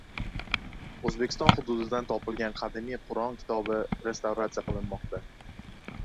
O‘zbekiston hududidan topilgan qadimiy Qur’on kitobi restavratsiya qilinmoqda